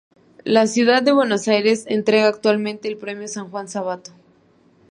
La Ciudad de Buenos Aires entrega anualmente el Premio Juan Sabato.